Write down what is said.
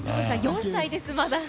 ４歳です、まだ。